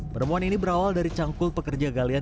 penemuan ini berawal dari cangkul pekerja galian